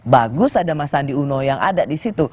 bagus ada mas andi uno yang ada di situ